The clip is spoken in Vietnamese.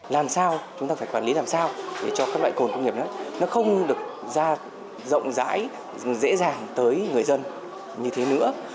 làm sao chúng ta phải quản lý làm sao để cho các loại cồn công nghiệp nó không được ra rộng rãi dễ dàng tới người dân như thế nữa